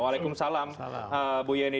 waalaikumsalam ibu yenti